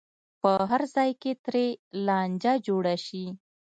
په هر ځای کې ترې لانجه جوړه شي.